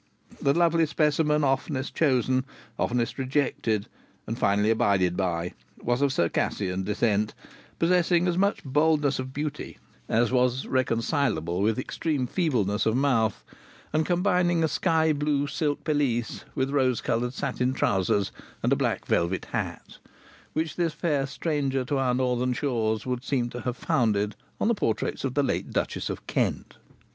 The lovely specimen oftenest chosen, oftenest rejected, and finally abided by, was of Circassian descent, possessing as much boldness of beauty as was reconcilable with extreme feebleness of mouth, and combining a sky blue silk pelisse with rose coloured satin trousers, and a black velvet hat: which this fair stranger to our northern shores would seem to have founded on the portraits of the late Duchess of Kent.